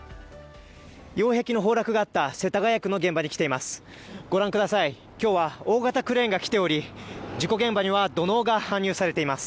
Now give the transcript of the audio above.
擁壁の崩落があった世田谷区の現場に来ています。